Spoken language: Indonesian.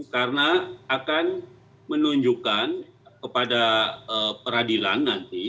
karena akan menunjukkan kepada peradilan nanti